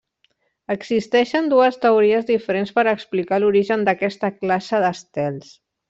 Existeixen dues teories diferents per explicar l'origen d'aquesta classe d'estels.